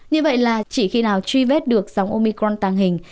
như vậy là chỉ khi nào truy vết được dòng omicron tàng hình